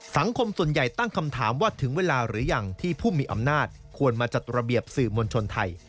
สังคมส่วนใหญ่ตั้งคำถามว่าถึงเวลาหรือยังที่ผู้มีอำนาจควรมาจัดระเบียบสื่อมวลชนไทย